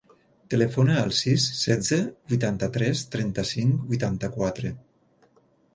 Telefona al sis, setze, vuitanta-tres, trenta-cinc, vuitanta-quatre.